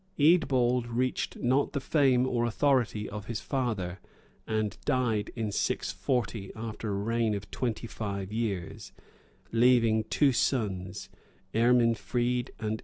Eadbald reached not the fame or authority of his father, and died in 640, after a reign of twenty five years, leaving two sons, Erminfrid and Ercombert.